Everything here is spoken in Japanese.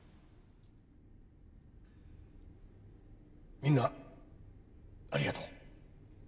みんなありがとう。